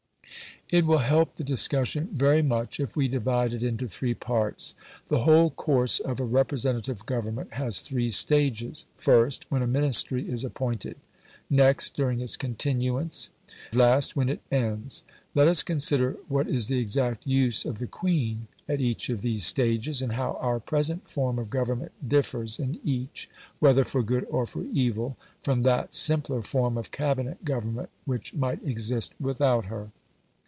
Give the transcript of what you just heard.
It will help the discussion very much if we divide it into three parts. The whole course of a representative Government has three stages first, when a Ministry is appointed; next, during its continuance; last, when it ends. Let us consider what is the exact use of the Queen at each of these stages, and how our present form of government differs in each, whether for good or for evil from that simpler form of Cabinet government which might exist without her.